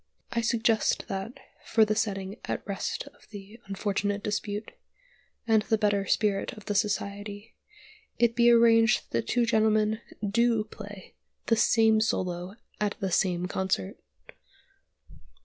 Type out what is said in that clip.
I suggest that, for the setting at rest of the unfortunate dispute, and the better spirit of the Society, it be arranged that the two gentlemen do play the same solo at the same concert."